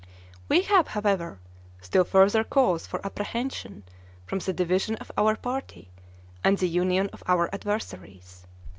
We have, however, still further cause for apprehension from the division of our party, and the union of our adversaries.